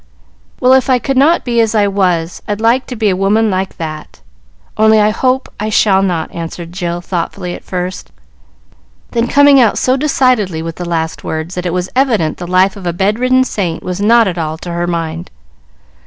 "Well, if I could not be as I was, I'd like to be a woman like that. Only, I hope I shall not!" answered Jill, thoughtfully at first, then coming out so decidedly with the last words that it was evident the life of a bedridden saint was not at all to her mind.